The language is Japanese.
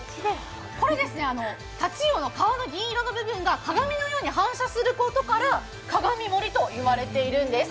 これ、タチウオの皮の銀色の部分が鏡のように反射することから鏡盛りと言われているんです。